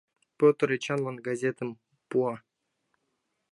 Пӧтыр Эчанлан газетым пуа.